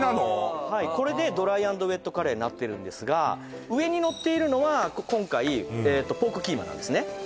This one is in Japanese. はいこれでドライ＆ウェットカレーになってるんですが上にのっているのは今回ポークキーマなんですね